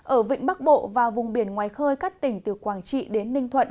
ở vịnh bắc bộ và vùng biển ngoài khơi các tỉnh từ quảng trị đến ninh thuận